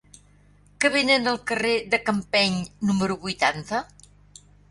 Què venen al carrer de Campeny número vuitanta?